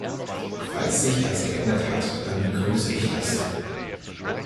Falls sich das geändert hat, dann begrüße ich das.